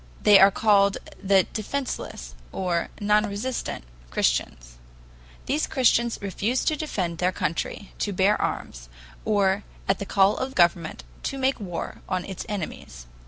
They are called the 'defenseless,' or 'non resistant' Christians. These Christians refuse to defend their country, to bear arms, or at the call of government to make war on its enemies.